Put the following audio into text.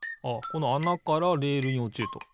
このあなからレールにおちると。